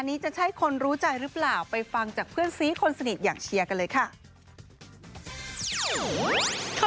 นี่ฉันติดตามในไอจีจริงไหม